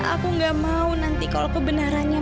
aku gak mau nanti kalau kebenarannya